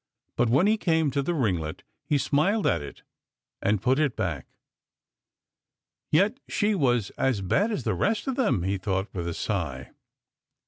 But when he came to the ringlet he smiled at it and put it back. " Yet she was as bad as the rest of them," he thought with a sigh.